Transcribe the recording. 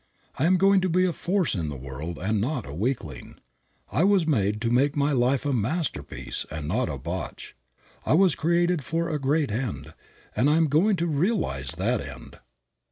I am going to be a force in the world and not a weakling. I was made to make my life a masterpiece and not a botch; I was created for a great end, and I am going to realize that end.